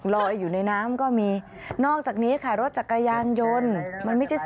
ลดอยู่ในน้ำก็มีนอกจากนี้ค่ะรถจัดกยานยนต์